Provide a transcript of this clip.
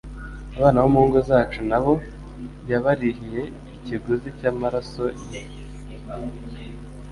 Abana bo mu ngo zacu na bo yabarihiye ikiguzi cy'amaraso ye